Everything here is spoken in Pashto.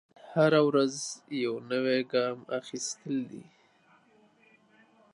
هره ورځ یو نوی ګام اخیستل دی.